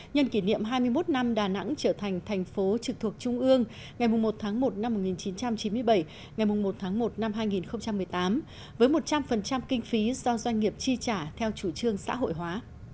nhân kỷ niệm hai mươi một năm đà nẵng trở thành thành phố trực thuộc trung ương ngày một tháng một năm một nghìn chín trăm chín mươi bảy ngày một tháng một năm hai nghìn một mươi tám với một trăm linh kinh phí do doanh nghiệp chi trả theo chủ trương xã hội hóa